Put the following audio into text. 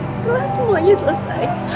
setelah semuanya selesai